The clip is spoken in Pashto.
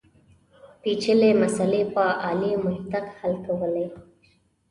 پېچلې مسلې په عالي منطق حل کولې.